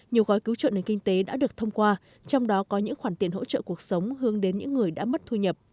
nhiều gói cứu trợ nền kinh tế đã được thông qua trong đó có những khoản tiền hỗ trợ cuộc sống hướng đến những người đã mất thu nhập